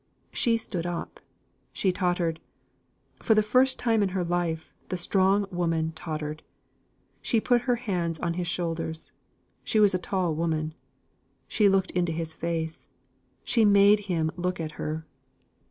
She stood up, she tottered. For the first time in her life, the strong woman tottered. She put her hands on his shoulders; she was a tall woman. She looked into his face: she made him look at her.